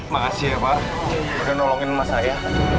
makasih ya pak udah nolongin sama saya